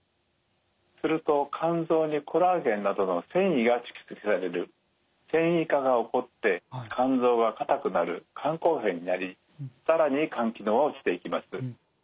すると肝臓にコラーゲンなどの線維が蓄積される線維化が起こって肝臓が硬くなる肝硬変になり更に肝機能は落ちていきます。